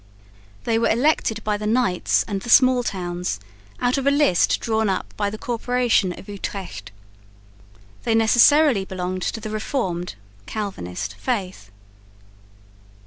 They were elected by the knights and the small towns out of a list drawn up by the corporation of Utrecht. They necessarily belonged to the Reformed (Calvinist) faith.